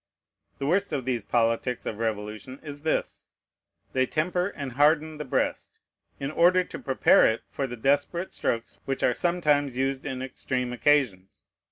The worst of these politics of revolution is this: they temper and harden the breast, in order to prepare it for the desperate strokes which are sometimes used in extreme occasions.